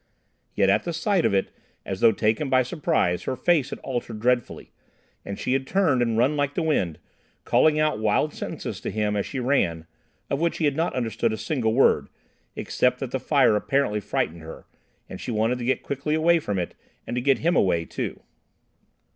Yet, at the sight of it, as though taken by surprise, her face had altered dreadfully, and she had turned and run like the wind, calling out wild sentences to him as she ran, of which he had not understood a single word, except that the fire apparently frightened her, and she wanted to get quickly away from it, and to get him away too.